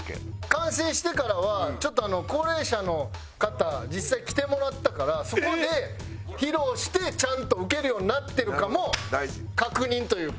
完成してからはちょっと高齢者の方実際来てもらったからそこで披露してちゃんとウケるようになってるかも確認というか。